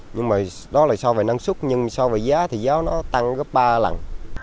nhưng mà đó là so với năng suất nhưng so với giá thì giá nó tăng gấp ba lần